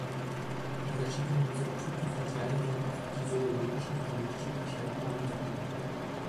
Die verschiedenen Subtypen verteilen sich auf die serologisch und genetisch unterscheidbaren Gattungen.